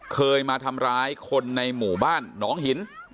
เคยมาทำร้ายคนในหมู่บ้านหนองหิน